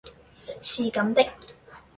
是咁的